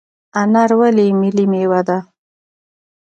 انار ولې ملي میوه ده؟